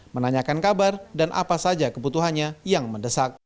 menanyakan kabar dan apa saja kebutuhannya yang mendesak